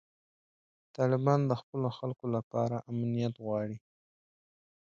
طالبان د خپلو خلکو لپاره امنیت غواړي.